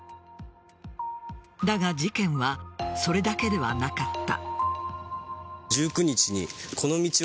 だが事件はそれだけではなかった。